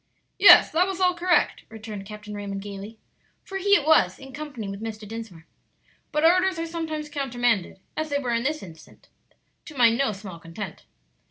"Yes, that was all correct," returned Captain Raymond, gayly, for he it was, in company with Mr. Dinsmore; "but orders are sometimes countermanded, as they were in this instance, to my no small content."